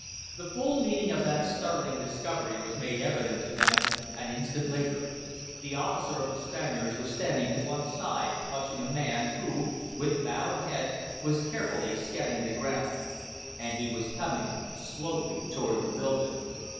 The full meaning of that startling discovery was made evident to them an instant later. The officer of the Spaniards was standing to one side watching a man, who, with bowed head, was carefully scanning the ground. And he was coming slowly toward the building.